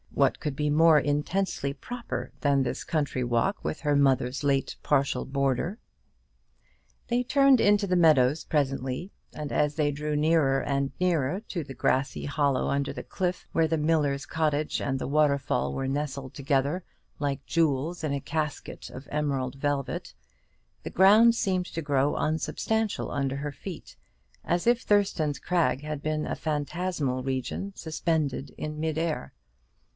What could be more intensely proper than this country walk with her mother's late partial boarder? They turned into the meadows presently, and as they drew nearer and nearer to the grassy hollow under the cliff, where the miller's cottage and the waterfall were nestled together like jewels in a casket of emerald velvet, the ground seemed to grow unsubstantial under her feet, as if Thurston's Crag had been a phantasmal region suspended in mid air.